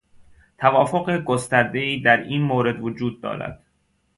توافق گستردهای در این مورد وجود دارد.